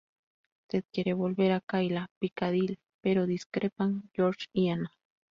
Ted quiere volver a Kayla Piccadilly, pero discrepan George y Anna.